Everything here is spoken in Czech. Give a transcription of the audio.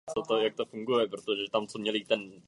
Usiloval o zavedení minimální mzdy a sociálního pojištění.